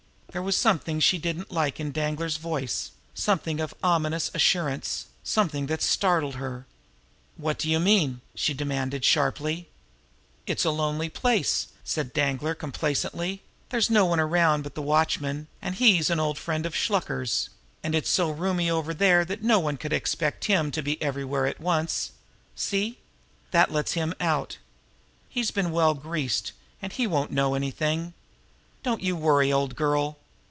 There was something she did not like in Danglar's voice, something of ominous assurance, something that startled her. "What do you mean?" she demanded sharply. "It's a lonely place," said Danglar complacently. "There's no one around but the watchman, and he's an old friend of Shluker's; and it's so roomy over there that no one could expect him to be everywhere at once. See? That let's him out. He's been well greased, and he won't know anything. Don't you worry, old girl!